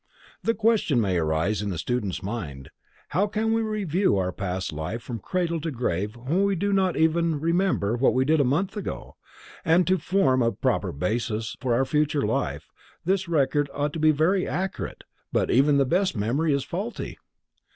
The question may arise in the student's mind: How can we review our past life from the cradle to the grave when we do not even remember what we did a month ago, and to form a proper basis for our future life, this record ought to be very accurate, but even the best memory is faulty?